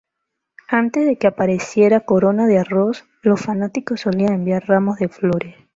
Antes de que aparecieran coronas de arroz, los fanáticos solían enviar ramos de flores.